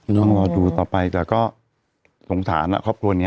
ต้องรอดูต่อไปแต่ก็สงสารครอบครัวนี้